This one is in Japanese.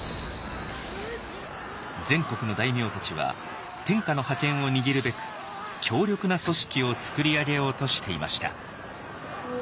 全国の大名たちは天下の覇権を握るべく強力な組織をつくり上げようとしていました。